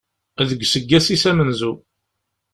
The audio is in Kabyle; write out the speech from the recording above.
Deg useggas-is amenzu.